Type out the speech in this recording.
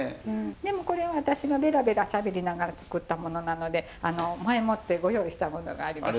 でもこれは私がベラベラしゃべりながら作ったものなので前もってご用意したものがあります。